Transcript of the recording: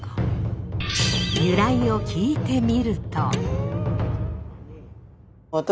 由来を聞いてみると。